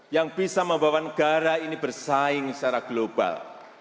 yang bisa membawa negara ini bersaing secara global